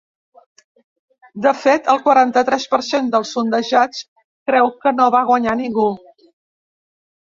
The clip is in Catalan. De fet, el quaranta-tres per cent dels sondejats creu que no va guanyar ningú.